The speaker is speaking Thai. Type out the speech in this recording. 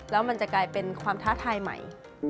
แล้วมันจะกลายเป็นความท้าทายใหม่